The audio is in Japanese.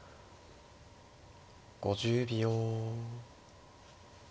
５０秒。